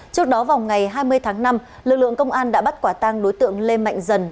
trước đó vào ngày hai mươi tháng năm lực lượng công an đã bắt quả tang đối tượng lê mạnh dần